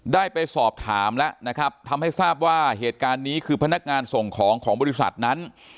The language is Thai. ได้ไปสอบถามแล้วนะครับทำให้ทราบว่าเหตุการณ์นี้คือพนักงานส่งของของบริษัทนั้น